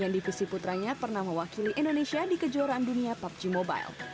yang divisi putranya pernah mewakili indonesia di kejuaraan dunia pubg mobile